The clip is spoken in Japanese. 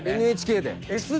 ＮＨＫで。